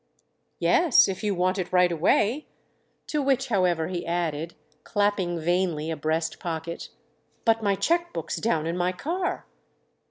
"Yes, if you want it right away." To which, however, he added, clapping vainly a breast pocket: "But my cheque book's down in my car."